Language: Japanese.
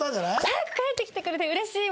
「早く帰ってきてくれてうれしい！」